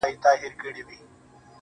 ټول عمر تكه توره شپه وي رڼا كډه كړې.